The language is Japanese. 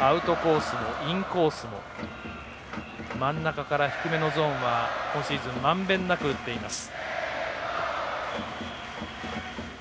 アウトコースもインコースも真ん中から低めのゾーンは今シーズン満遍なく打っています。